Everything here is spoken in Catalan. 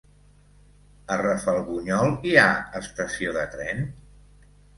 A Rafelbunyol hi ha estació de tren?